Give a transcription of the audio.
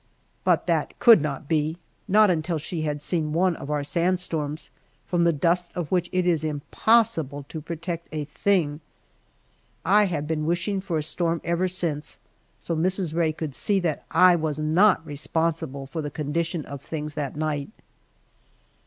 But that could not be, not until she had seen one of our sand storms, from the dust of which it is impossible to protect a thing. I have been wishing for a storm ever since, so Mrs. Rae could see that I was not responsible for the condition of things that night.